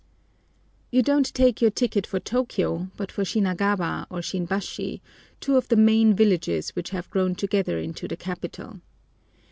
You don't take your ticket for Tôkiyô, but for Shinagawa or Shinbashi, two of the many villages which have grown together into the capital.